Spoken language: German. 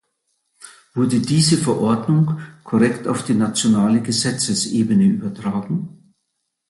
Wurde diese Verordnung korrekt auf die nationale Gesetzesebene übertragen?